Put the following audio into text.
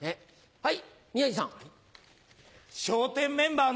はい。